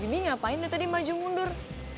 bibi ngapain tadi maju mundur